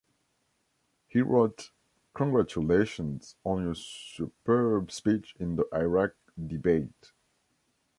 He wrote, Congratulations on your superb speech in the Iraq debate.